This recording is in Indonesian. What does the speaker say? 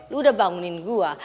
lo udah bangunin gue